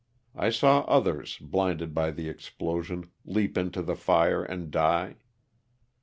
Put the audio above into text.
I saw others, blinded by the explosion, leap into the fire and die.